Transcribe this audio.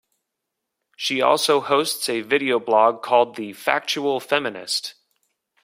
She also hosts a video blog called "The Factual Feminist".